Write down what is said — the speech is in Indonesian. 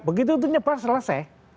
begitu itu menyebar selesai